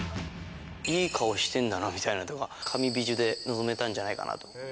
いい顔してんだなみたいなとか、神ビジュで臨めたんじゃないかと。